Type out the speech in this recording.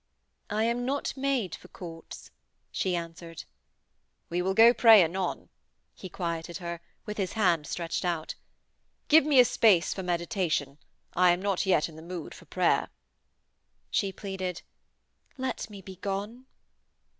'I am not made for courts,' she answered. 'We will go pray anon,' he quieted her, with his hand stretched out. 'Give me a space for meditation, I am not yet in the mood for prayer.' She pleaded, 'Let me begone.'